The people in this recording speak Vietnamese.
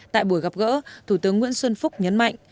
tại buổi gặp gỡ thủ tướng nguyễn xuân phúc nhấn mạnh